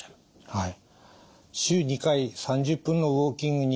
はい。